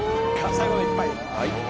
最後の一杯。